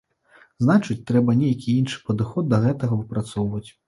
Значыць трэба нейкі іншы падыход да гэтага выпрацоўваць.